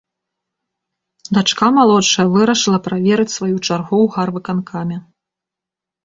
Дачка малодшая вырашыла праверыць сваю чаргу ў гарвыканкаме.